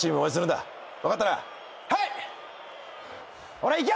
ほらいけ！